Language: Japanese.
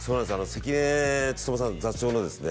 関根勤さん座長のですね